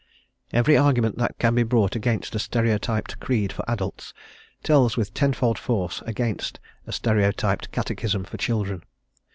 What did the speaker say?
Every argument that can be brought against a stereotyped creed for adults, tells with tenfold force against a stereotyped catechism for children.